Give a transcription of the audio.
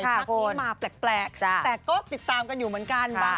ครับคุณมาแปลกแปลกจ้ะแต่ก็ติดตามกันอยู่เหมือนกันค่ะ